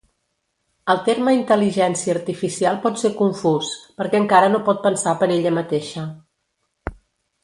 El terme Intel·ligència Artificial pot ser confús, perquè encara no pot pensar per ella mateixa.